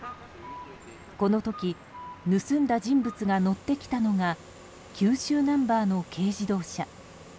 この時盗んだ人物が乗ってきたのが九州ナンバーの軽自動車。